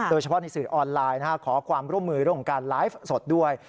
โดยเฉพาะในสื่อออนไลน์ขอความร่วมมือในการไลฟ์สดด้วย